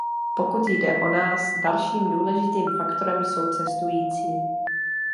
Pokud jde o nás, dalším důležitým faktorem jsou cestující.